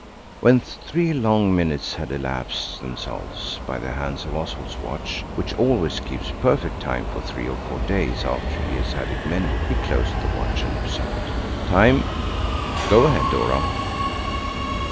When three long minutes had elapsed themselves by the hands of Oswald's watch, which always keeps perfect time for three or four days after he has had it mended, he closed the watch and observed– "Time! Go ahead, Dora."